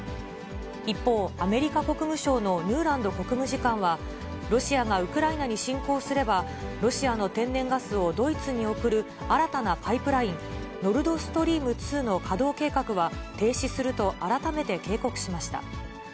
一方、アメリカ国務省のヌーランド国務次官は、ロシアがウクライナに侵攻すれば、ロシアの天然ガスをドイツに送る新たなパイプライン、ノルド・ストリーム２の稼働計画は停止すると改めて警告しました。